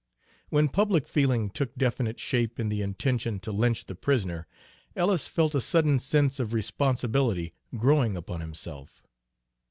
When public feeling took definite shape in the intention to lynch the prisoner, Ellis felt a sudden sense of responsibility growing upon himself.